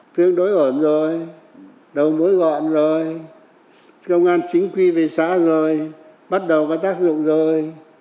tương đối ổn rồi đầu mối gọn rồi công an chính quy về xã rồi bắt đầu có tác dụng rồi